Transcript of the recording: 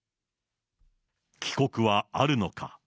帰国はあるのか。